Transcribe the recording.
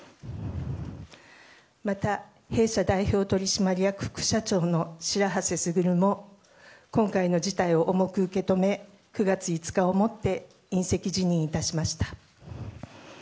また、弊社代表取締役副社長のシラハセ・スグルも今回の事態を重く受け止め、９月５日をもって引責辞任いたしました。